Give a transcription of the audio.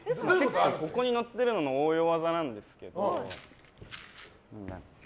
ここに載ってるのの応用技なんですけど。